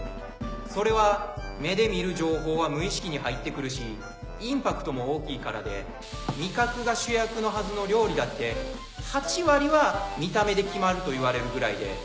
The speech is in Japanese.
それは目で見る情報は無意識に入って来るしインパクトも大きいからで味覚が主役のはずの料理だって８割は見た目で決まるといわれるぐらいで。